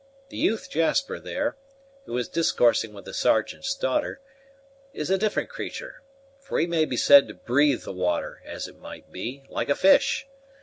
The youth Jasper, there, who is discoursing with the Sergeant's daughter, is a different cratur'; for he may be said to breathe the water, as it might be, like a fish.